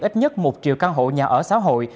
ít nhất một triệu căn hộ nhà ở xã hội